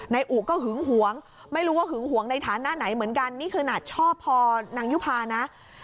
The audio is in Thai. นายอุก็หึงหวงไม่รู้ว่าหึงหวงในฐานะไหนเหมือนกันนี่คือขนาดชอบพอนางยุภานะ